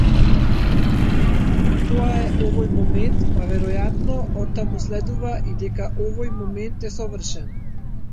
Тоа е овој момент-па веројатно оттаму следува и дека овој момент е совршен.